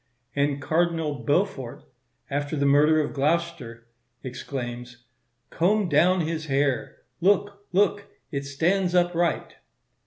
And Cardinal Beaufort, after the murder of Gloucester exclaims, "Comb down his hair; look, look, it stands upright."